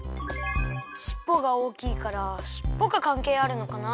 しっぽがおおきいからしっぽがかんけいあるのかな？